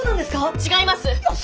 違います！